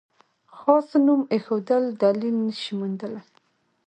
خاص نوم ایښودل دلیل نه شي موندلای.